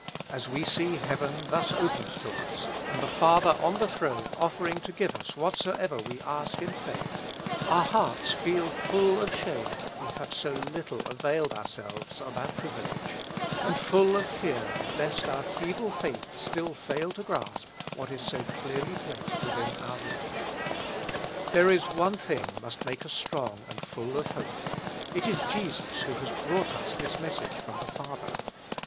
As we see heaven thus opened to us, and the Father on the Throne ofTering to give us whatsoever we ask in faith, our hearts feel full of shame that we have so little availed ourselves of our 90 With Christ in the School of Prayer. privilege, and full of fear lest our feeble faith still fail to grasp what is so clearly placed within our reach. There is one thing must make us strong and full of hope : it is Jesus who has brought us this message from the Father.